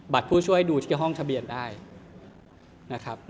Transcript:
ผู้ช่วยดูที่ห้องทะเบียนได้นะครับ